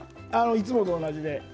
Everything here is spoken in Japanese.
いつもと同じで。